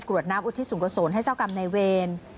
วดน้ำอุทิศสูงกษลให้เจ้ากรรมในเวร